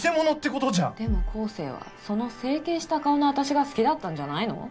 でも光晴はその「整形した顔の私」が好きだったんじゃないの？